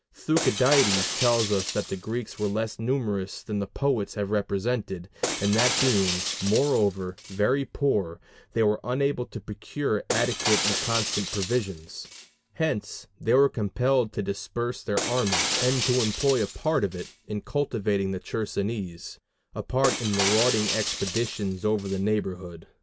Thucydides tells us that the Greeks were less numerous than the poets have represented, and that being, moreover, very poor, they were unable to procure adequate and constant provisions: hence they were compelled to disperse their army, and to employ a part of it in cultivating the Chersonese a part in marauding expeditions over the neighborhood.